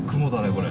これ。